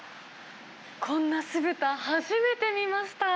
こんな酢豚、初めて見ました。